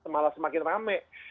malah semakin rame